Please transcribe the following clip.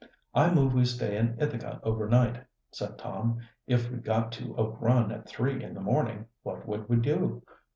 "I move we stay in Ithaca over night," said Tom. "If we got to Oak Run at three in the morning, what would we do?